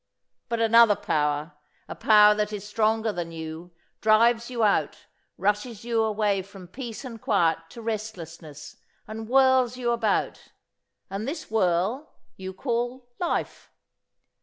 But another power, a power that is stronger than you, drives you out, rushes you away from peace and quiet to restlessness, and whirls you about. And this whirl, you call 'life.